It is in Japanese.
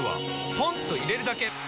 ポンと入れるだけ！